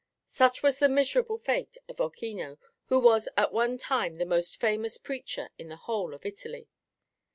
Such was the miserable fate of Ochino, who was at one time the most famous preacher in the whole of Italy.